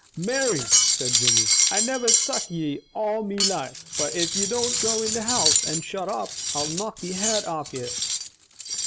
"Mary," said Jimmy, "I niver struck ye in all me life, but if ye don't go in the house, and shut up, I'll knock the head off ye!"